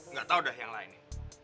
nggak tahu dah yang lainnya